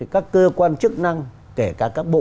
các cơ quan chức năng kể cả các bộ